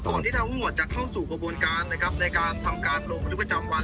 ก่อนที่เราจะเข้าสู่ประบวนการนะครับในการทำการลงทุกประจำวัน